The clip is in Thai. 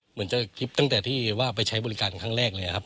เหมือนจะคลิปตั้งแต่ที่ว่าไปใช้บริการครั้งแรกเลยครับ